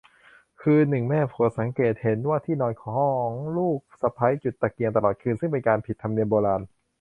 คืนหนึ่งแม่ผัวสังเกตเห็นว่าที่ห้องนอนของ ลูกสะใภ้จุดตะเกียงตลอดคืน ซึ่งเป็นการผิดธรรมเนียมโบราณ